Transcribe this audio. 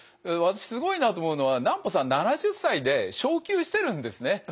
私すごいなと思うのは南畝さん７０歳で昇給してるんですね。